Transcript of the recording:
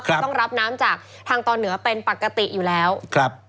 ก็ต้องรับน้ำจากทางตอนเหนือเป็นปกติอยู่แล้วครับ